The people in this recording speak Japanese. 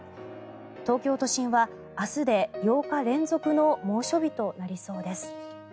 東京都心は明日で８日連続の猛暑日となりそうです。